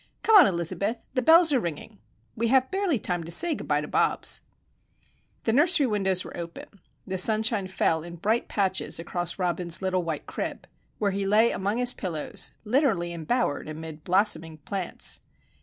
"Come on, Elizabeth. The bells are ringing. We have barely time to say good bye to Bobs." The nursery windows were open. The sunshine fell in bright patches across Robin's little white crib, where he lay among his pillows, literally embowered amid blossoming plants.